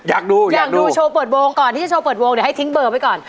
อยากดูอยากดูโชว์เปิดวงก่อนที่จะโชว์เปิดวงเนี่ยให้ทิ้งเบอร์ไว้ก่อน